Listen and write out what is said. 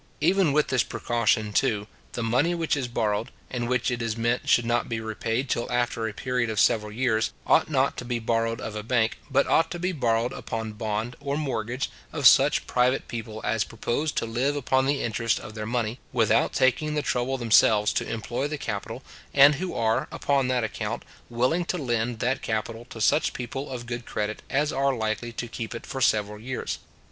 Even with this precaution, too, the money which is borrowed, and which it is meant should not be repaid till after a period of several years, ought not to be borrowed of a bank, but ought to be borrowed upon bond or mortgage, of such private people as propose to live upon the interest of their money, without taking the trouble themselves to employ the capital, and who are, upon that account, willing to lend that capital to such people of good credit as are likely to keep it for several years.